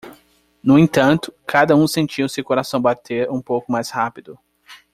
No entanto, cada um sentiu seu coração bater um pouco mais rápido.